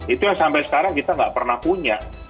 itu yang sampai sekarang kita nggak pernah punya